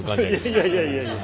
いやいやいやいや。